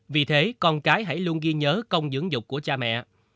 vì thế con cái hãy luôn ghi nhớ công dưỡng dục của cha mẹ